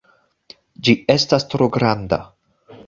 Ĝi estas tro granda!